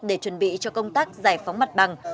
để chuẩn bị cho công tác giải phóng mặt bằng